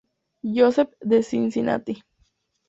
Joseph de Cincinnati.